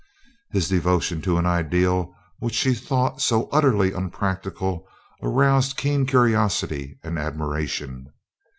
His devotion to an ideal which she thought so utterly unpractical, aroused keen curiosity and admiration.